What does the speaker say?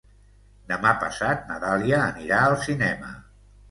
Demà passat na Dàlia anirà al cinema.